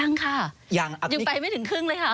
ยังค่ะยังไปไม่ถึงครึ่งเลยค่ะ